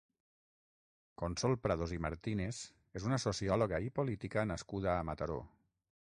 Consol Prados i Martínez és una sociòloga i política nascuda a Mataró.